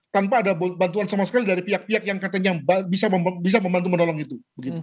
tanpa ada bantuan sama sekali dari pihak pihak yang katanya bisa membantu menolong itu